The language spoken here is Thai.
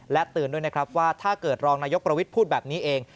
เตือนด้วยนะครับว่าถ้าเกิดรองนายกประวิทย์พูดแบบนี้เอง